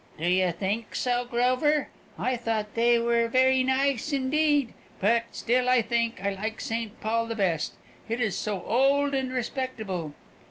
"Do you think so, Grover? I thought they were very nice, indeed, but still I think I like St. Paul the best. It is so old and respectable."